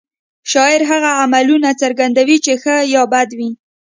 شاعر هغه عملونه څرګندوي چې ښه یا بد وي